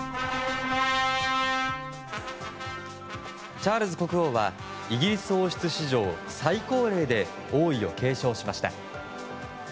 チャールズ国王はイギリス王室史上最高齢で王位を継承しました。